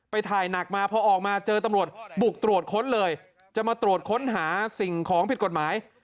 ถ่ายหนักมาพอออกมาเจอตำรวจบุกตรวจค้นเลยจะมาตรวจค้นหาสิ่งของผิดกฎหมาย